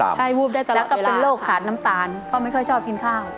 ความดันต่ำและก็เป็นโรคขาดน้ำตาลเพราะไม่ค่อยชอบกินข้าว